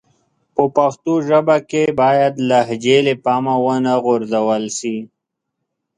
په پښتو ژبه کښي بايد لهجې له پامه و نه غورځول سي.